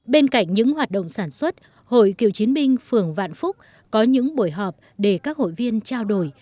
bên cạnh những hoạt động sản xuất hội kiều chính minh phường vạn phúc có những buổi họp để các hội viên trao đổi